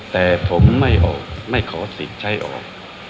แต่ผมไม่ออกไม่ขอสิทธิ์ใช้ออก